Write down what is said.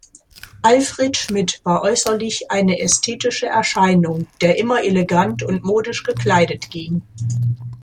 Alfred Schmid war äußerlich eine ästhetische Erscheinung, der immer elegant und modisch gekleidet ging.